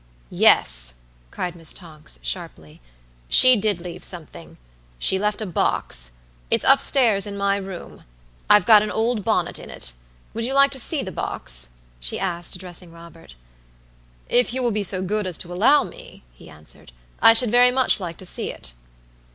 "Yes," cried Miss Tonks, sharply. "She did leave something. She left a box. It's up stairs in my room. I've got an old bonnet in it. Would you like to see the box?" she asked, addressing Robert. "If you will be so good as to allow me," he answered, "I should very much like to see it."